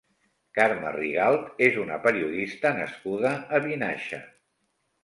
Carmen Rigalt és una periodista nascuda a Vinaixa.